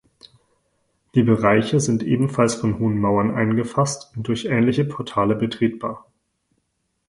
Die Bereiche sind ebenfalls von hohen Mauern eingefasst und durch ähnliche Portale betretbar.